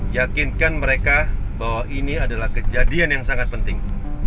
yakinkan mereka bahwa ini adalah kejadian yang sangat penting